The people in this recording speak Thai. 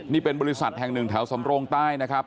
นี่เป็นบริษัทแห่งหนึ่งแถวสำโรงใต้นะครับ